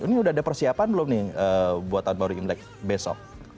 ini sudah ada persiapan belum nih buatan baru imlek besok